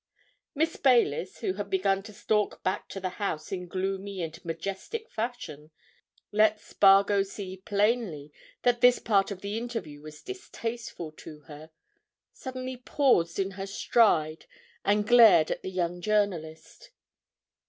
Miss Baylis, who had begun to stalk back to the house in gloomy and majestic fashion, and had let Spargo see plainly that this part of the interview was distasteful to her, suddenly paused in her stride and glared at the young journalist.